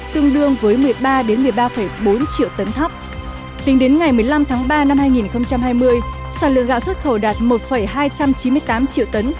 tương đương với một mươi ba một mươi ba bốn triệu tấn thóc